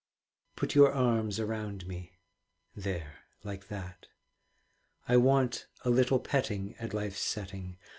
Put your arms around me. There like that. I want a little petting At life's setting.